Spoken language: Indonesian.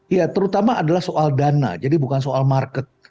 ya terutama adalah soal dana jadi bukan soal market